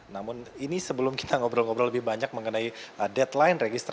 namun ini sebelum kita ngobrol ngobrol lebih banyak mengenai deadline registrasi